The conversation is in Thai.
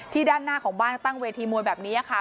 ด้านหน้าของบ้านตั้งเวทีมวยแบบนี้ค่ะ